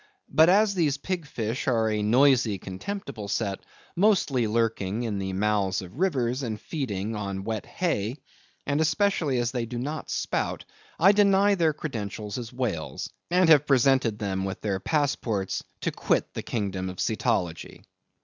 But as these pig fish are a noisy, contemptible set, mostly lurking in the mouths of rivers, and feeding on wet hay, and especially as they do not spout, I deny their credentials as whales; and have presented them with their passports to quit the Kingdom of Cetology.